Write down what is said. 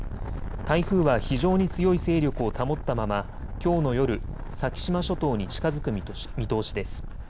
台風は非常に強い勢力を保ったまま、きょうの夜、先島諸島に近づく見通しです。